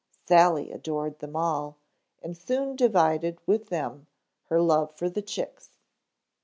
Sally adored them all and soon divided with them her love for the chicks.